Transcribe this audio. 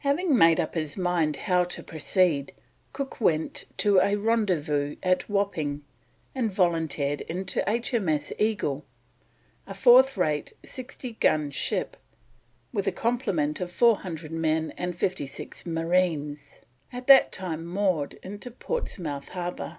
Having made up his mind how to proceed, Cook went to a rendezvous at Wapping and volunteered into H.M.S. Eagle, a fourth rate, 60 gun ship, with a complement of 400 men and 56 marines, at that time moored in Portsmouth Harbour.